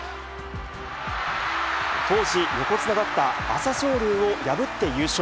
当時、横綱だった朝青龍を破って優勝。